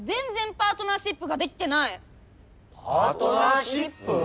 パートナーシップ？